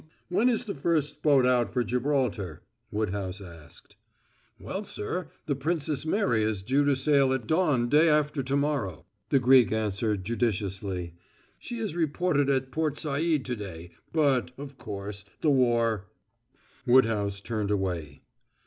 "Um! When is the first boat out for Gibraltar?" Woodhouse asked. "Well, sir, the Princess Mary is due to sail at dawn day after to morrow," the Greek answered judiciously. "She is reported at Port Said to day, but, of course, the war " Woodhouse turned away.